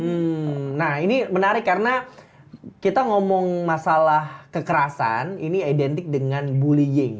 hmm nah ini menarik karena kita ngomong masalah kekerasan ini identik dengan bullying